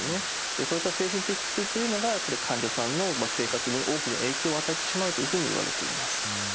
そういった精神的苦痛というのがやっぱり患者さんの生活に大きな影響を与えてしまうというふうにいわれています。